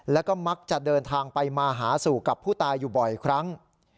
แล้วก็มักจะเดินทางไปมาหาสู่กับผู้ตายอยู่บ่อยครั้ง